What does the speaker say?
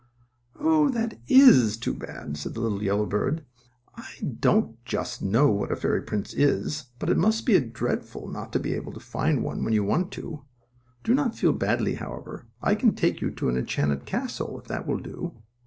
"Oh, that is too bad," said the little yellow bird. "I don't just know what a fairy prince is, but it must be dreadful not to be able to find one when you want to. Do not feel badly, however. I can take you to an enchanted castle, if that will do."